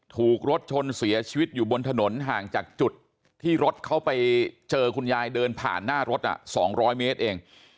ถูกรถชนเสียชีวิตอยู่บนถนนห่างจากจุดที่รถเขาไปเจอคุณยายเดินผ่านหน้ารถ๒๐๐เมตรเอง